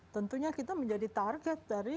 tentunya kita menjadi target dari